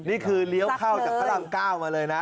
นี่คือเลี้ยวเข้าจากตารางก้าวมาเลยนะ